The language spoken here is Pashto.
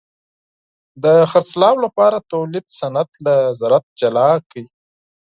د خرڅلاو لپاره تولید صنعت له زراعت جلا کړ.